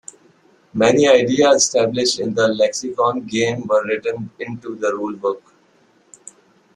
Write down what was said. Many ideas established in the "Lexicon" game were written into the rulebook.